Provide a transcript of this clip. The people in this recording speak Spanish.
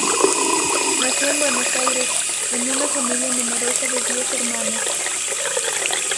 Nació en Buenos Aires, en una familia numerosa de diez hermanos.